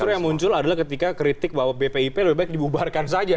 justru yang muncul adalah ketika kritik bahwa bpip lebih baik dibubarkan saja